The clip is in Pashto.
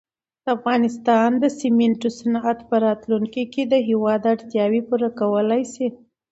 د افغانستان د سېمنټو صنعت په راتلونکي کې د هېواد اړتیاوې پوره کولای شي.